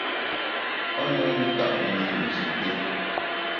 A na nta’ mi Nji té.